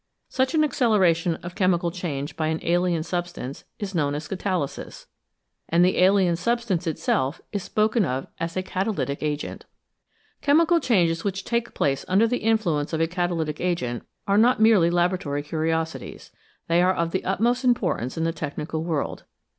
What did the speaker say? Such an acceleration of chemical change by an alien substance is known as " catalysis," and the alien substance itself is spoken of as a " catalytic agent." Chemical changes which take place under the influence of a catalytic agent are not merely laboratory curiosities they are of the utmost importance in the technical world.